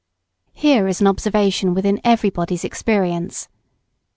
Here is an observation within everybody's experience.